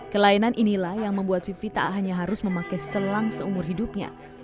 kelainan inilah yang membuat vivi tak hanya harus memakai selang seumur hidupnya